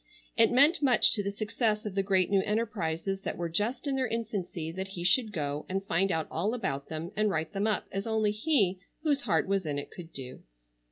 It meant much to the success of the great new enterprises that were just in their infancy that he should go and find out all about them and write them up as only he whose heart was in it could do.